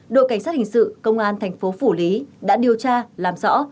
đội cảnh sát hình sự công an thành phố phủ lý đã điều tra làm rõ